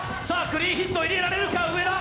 クリーンヒット入れられるか、上田。